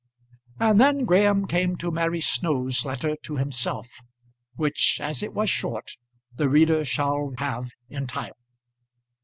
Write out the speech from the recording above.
And then Graham came to Mary Snow's letter to himself, which, as it was short, the reader shall have entire.